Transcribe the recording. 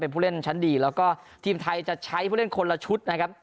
ผู้เล่นชั้นดีแล้วก็ทีมไทยจะใช้ผู้เล่นคนละชุดนะครับ